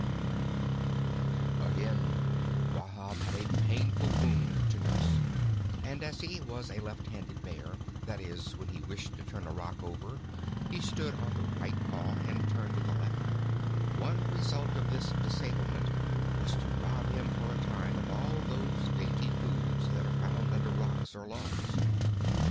Again Wahb had a painful wound to nurse, and as he was a left handed Bear, that is, when he wished to turn a rock over he stood on the right paw and turned with the left, one result of this disablement was to rob him for a time of all those dainty foods that are found under rocks or logs.